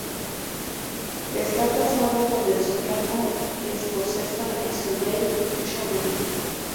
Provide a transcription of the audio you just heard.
Está casado con la soprano escocesa Isobel Buchanan.